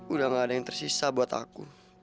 udah gak ada yang tersisa buat aku